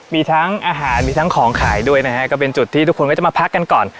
มีทั้งอาหารมีทั้งของขายด้วยนะฮะก็เป็นจุดที่ทุกคนก็จะมาพักกันก่อน